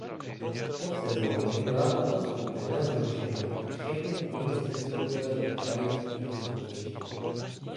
Po sezóně byla tato skupina zrušena a všechny týmy sestoupily do krajských soutěží.